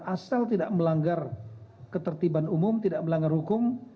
asal tidak melanggar ketertiban umum tidak melanggar hukum